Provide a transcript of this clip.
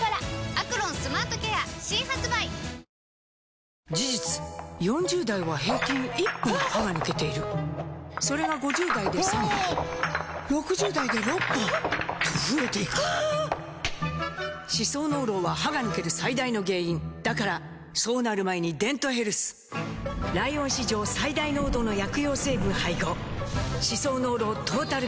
「アクロンスマートケア」新発売！事実４０代は平均１本歯が抜けているそれが５０代で３本６０代で６本と増えていく歯槽膿漏は歯が抜ける最大の原因だからそうなる前に「デントヘルス」ライオン史上最大濃度の薬用成分配合歯槽膿漏トータルケア！